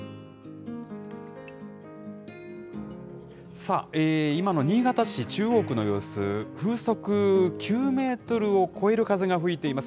さあ、今の新潟市中央区の様子、風速９メートルを超える風が吹いています。